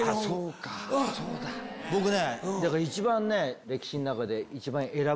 僕ね。